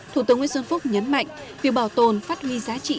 thủ tướng nguyễn xuân phúc nhấn mạnh việc bảo tồn phát huy giá trị